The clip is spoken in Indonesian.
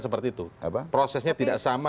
seperti itu prosesnya tidak sama